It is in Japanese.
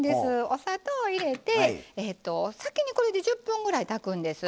お砂糖を入れて先にこれで１０分ぐらい炊くんです。